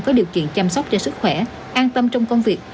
có điều kiện chăm sóc cho sức khỏe an tâm trong công việc